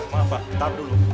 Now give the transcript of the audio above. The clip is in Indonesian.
maaf pak ntar dulu